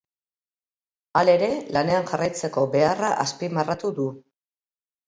Halere, lanean jarraitzeko beharra azpimarratu du.